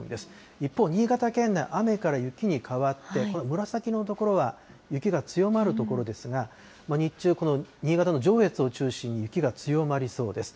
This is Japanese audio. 一方、新潟県内、雨から雪に変わって、これ、紫色の所は雪が強まる所ですが、日中、この新潟の上越を中心に雪が強まりそうです。